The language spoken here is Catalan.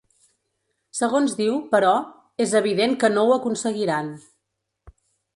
Segons diu, però, ‘és evident que no ho aconseguiran’.